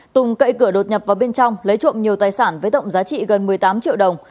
tùng cậy cửa đột nhập vào bên trong lấy trộm nhiều tài sản với tổng giá trị gần một mươi tám triệu đồng